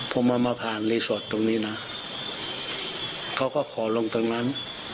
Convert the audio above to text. ผมเอามาผ่านรีสอร์ทตรงนี้นะเขาก็ขอลงตรงนั้น